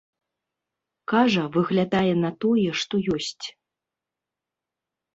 Кажа, выглядае на тое, што ёсць.